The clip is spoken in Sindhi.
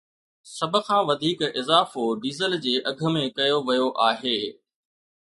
سڀ کان وڌيڪ اضافو ڊيزل جي اگهه ۾ ڪيو ويو آهي